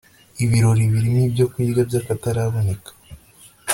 ibirori birimo ibyokurya by akataraboneka